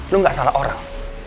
lo gak salah orang